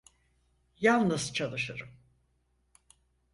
Yalnız çalışırım.